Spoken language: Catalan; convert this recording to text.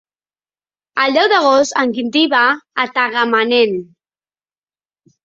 El deu d'agost en Quintí va a Tagamanent.